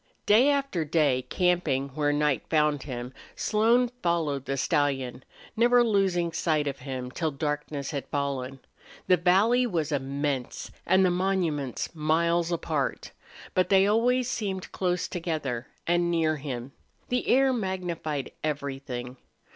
Day after day, camping where night found him, Slone followed the stallion, never losing sight of him till darkness had fallen. The valley was immense and the monuments miles apart. But they always seemed close together and near him. The air magnified everything.